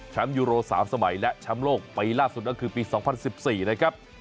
ยูโร๓สมัยและแชมป์โลกปีล่าสุดก็คือปี๒๐๑๔นะครับ